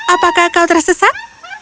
apakah kau tersesat